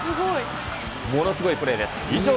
ものすごいプレーです。